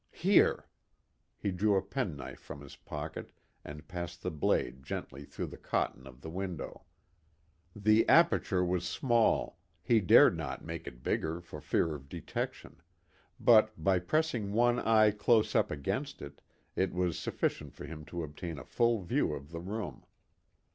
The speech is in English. Here!" He drew a penknife from his pocket and passed the blade gently through the cotton of the window. The aperture was small, he dared not make it bigger for fear of detection, but, by pressing one eye close up against it, it was sufficient for him to obtain a full view of the room.